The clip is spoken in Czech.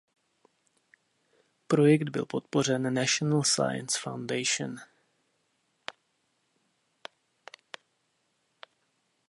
Projekt byl podpořen National Science Foundation.